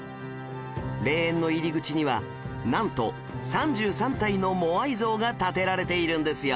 霊園の入り口にはなんと３３体のモアイ像が建てられているんですよ